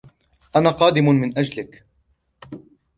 أنا قادم من أجلك.